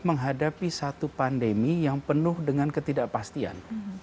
menghadapi satu pandemi yang penuh dengan ketidakpastian